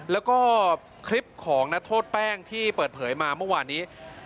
แล้วก็คลิปของนักโทษแป้งที่เปิดเผยมาเมื่อวานนี้